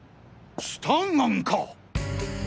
スタンガンか！